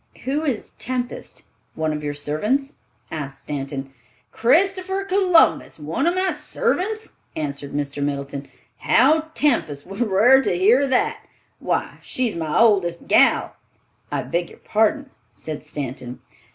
"Who is Tempest? One of your servants?" asked Stanton. "Christopher Columbus! One of my servants!" answered Mr. Middleton. "How Tempest would rar to hear that. Why, she's my oldest gal." "I beg your pardon," said Stanton.